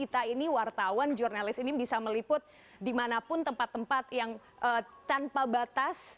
bagaimana tugas kita ini wartawan jurnalis ini bisa meliput di manapun tempat tempat yang tanpa batas